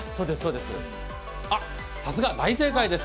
さすが大正解です。